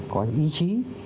có ý chí